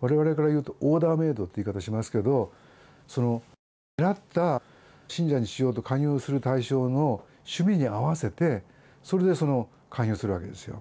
われわれからいうとオーダーメードっていう言い方しますけど、狙った信者にしようと勧誘する対象の趣味に合わせて、それで勧誘するわけですよ。